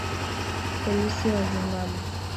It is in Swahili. Polisi wa Zimbabwe